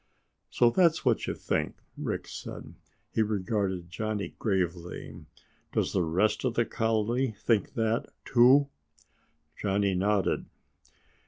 "So that's what you think," Rick said. He regarded Johnny gravely. "Does the rest of the colony think that, too?" Johnny nodded.